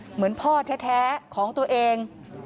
เหมือนพ่อแท้ของตัวเอง